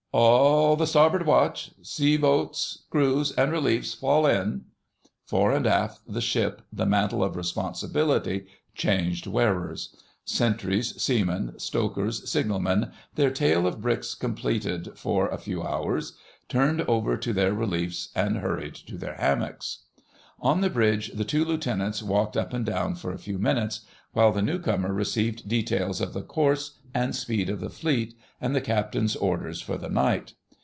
"A a all the starboard watch! Seaboats, crews, and reliefs fall in!" Fore and aft the ship the mantle of responsibility changed wearers. Sentries, seamen, stokers, signalmen, their tale of bricks complete for a few hours, turned over to their reliefs and hurried to their hammocks. On the bridge the two Lieutenants walked up and down for a few minutes, while the newcomer received details of the course and speed of the Fleet and the Captain's orders for the night.